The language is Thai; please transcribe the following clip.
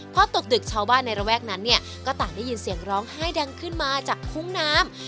พอตกดึกชาวบ้านในระแวกนั้นเนี่ยก็ต่างได้ยินเสียงร้องไห้ดังขึ้นมาจากคุ้งน้ำ